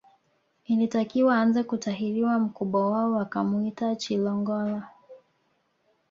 Ilitakiwa aanze kutahiriwa mkubwa wao wakimuita Chilongola